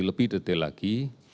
lebih detil lagi